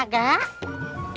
kamu mau ke rumah